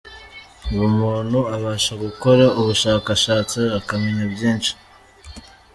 Ubu umuntu abasha gukora ubushakashatsi akamenya byinshi.